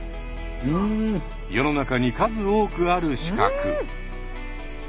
世の中に数多くある資格。